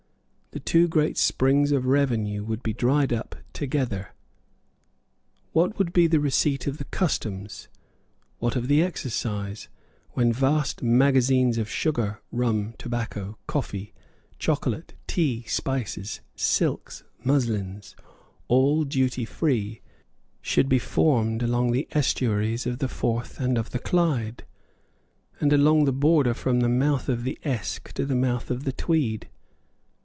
The two great springs of revenue would be dried up together. What would be the receipt of the Customs, what of the Excise, when vast magazines of sugar, rum, tobacco, coffee, chocolate, tea, spices, silks, muslins, all duty free, should be formed along the estuaries of the Forth and of the Clyde, and along the border from the mouth of the Esk to the mouth of the Tweed?